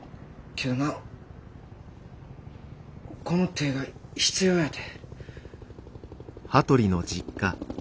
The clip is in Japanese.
けどなこの手が必要やて。